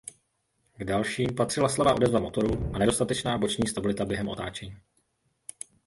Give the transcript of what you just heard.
K dalším patřila slabá odezva motoru a nedostatečná boční stabilita během otáčení.